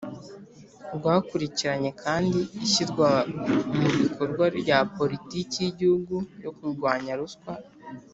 rwakurikiranye kandi ishyirwa mu bikorwa rya politiki y’igihugu yo kurwanya ruswa